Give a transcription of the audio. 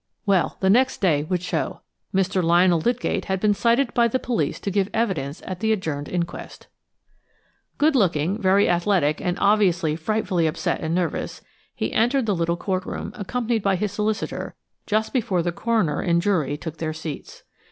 Well, the next day would show. Mr. Lionel Lydgate had been cited by the police to give evidence at the adjourned inquest. Good looking, very athletic, and obviously frightfully upset and nervous, he entered the little courtroom, accompanied by his solicitor, just before the coroner and jury took their seats.